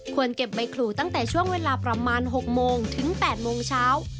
เก็บใบขู่ตั้งแต่ช่วงเวลาประมาณ๖โมงถึง๘โมงเช้า